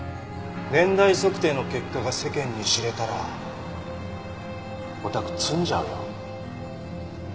年代測定の結果が世間に知れたらおたく詰んじゃうよ。